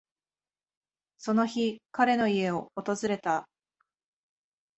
その日、彼の家を訪れた。